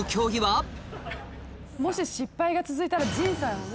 もし失敗が続いたら陣さんもね。